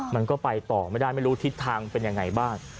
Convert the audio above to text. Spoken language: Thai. มันก็ไปต่อไม่ได้ไม่รู้ทิศทางเป็นยังไงบ้าง